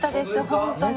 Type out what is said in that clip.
本当に。